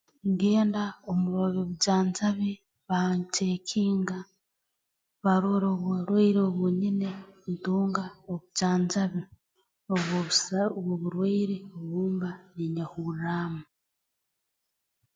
Ngenda omu ba b'obujanjabi banceekinga barora oburwaire obu nyine ntunga obujanjabi obw'obus obw'oburwaire obu mba niinyehurraamu